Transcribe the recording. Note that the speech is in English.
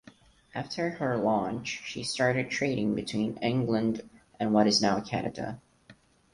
After her launch she started trading between England and what is now Canada.